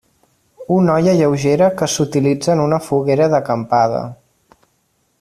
Una olla lleugera que s'utilitza en una foguera d'acampada.